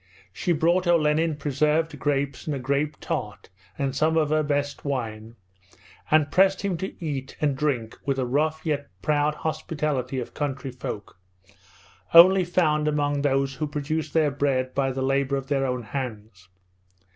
She brought Olenin preserved grapes and a grape tart and some of her best wine, and pressed him to eat and drink with the rough yet proud hospitality of country folk, only found among those who produce their bread by the labour of their own hands.